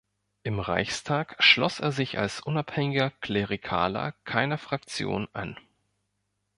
Im Reichstag schloss er sich als unabhängiger Klerikaler keiner Fraktion an.